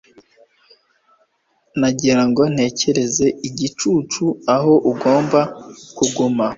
Nagira ngo ntekereze igicucu aho ugomba kuguma